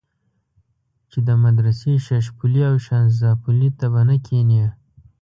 چې د مدرسې ششپولي او شانزدا پلي ته به نه کېنې.